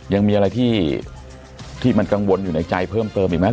ยังมีอะไรที่มันกังวลอยู่ในใจเพิ่มเติมอีกไหม